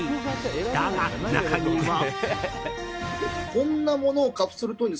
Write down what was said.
だが、中には。